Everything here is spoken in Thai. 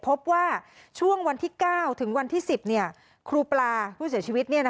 พบว่าช่วงวันที่๙ถึงวันที่๑๐ครูปลาผู้เสียชีวิต